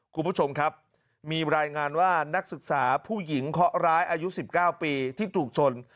คุณผู้ชมครับมีรายงานว่านักศึกษาผู้หญิงเคาะร้ายอายุ๑๙ปีที่ถูกชน